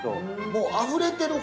◆もう、あふれてる。